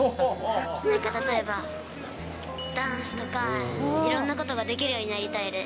例えばダンスとか、いろんなことができるようになりたいです。